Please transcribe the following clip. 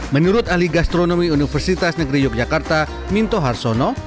menurut ahli gastronomi universitas negeri yogyakarta minto harsono